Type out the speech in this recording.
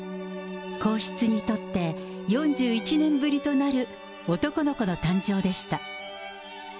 皇室にとって４１年ぶりとなる男の子の誕生でした。